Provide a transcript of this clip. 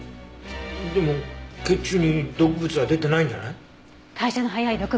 でも血中に毒物は出てないんじゃない？